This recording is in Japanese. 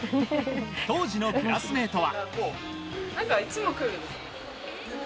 当時のクラスメートは。